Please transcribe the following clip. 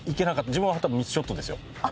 自分は多分ミスショットですよ